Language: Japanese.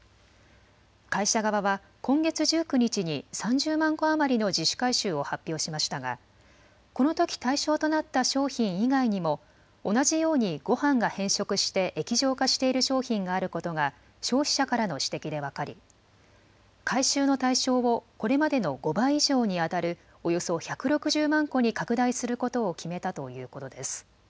会社側は今月１９日に３０万個余りの自主回収を発表しましたがこのとき対象となった商品以外にも同じようにごはんが変色して液状化している商品があることが消費者からの指摘で分かり回収の対象をこれまでの５倍以上にあたるおよそ１６０万個に拡大することを決めたということです。